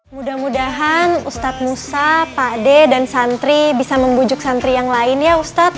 mudah mudahan ustadz musa pak d dan santri bisa membujuk santri yang lain ya ustadz